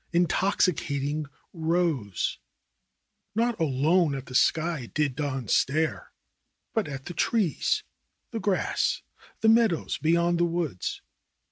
Intoxicating rose ! Not alone at the sky did Don stare, but at the trees, the grass, the meadows beyond the woods.